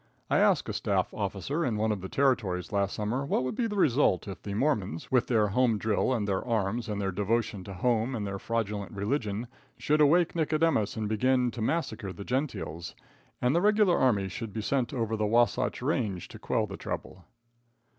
I asked a staff officer in one of the territories last summer what would be the result if the Mormons, with their home drill and their arms and their devotion to home and their fraudulent religion, should awake Nicodemas and begin to massacre the Gentiles, and the regular army should be sent over the Wasatch range to quell the trouble.